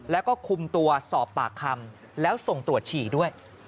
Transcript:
แล้วก็คุมตัวสอบปากคำแล้วส่งตรวจฉี่ด้วย